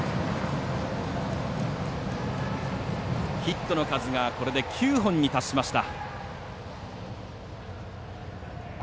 ヒットの数がこれで９本に達しました。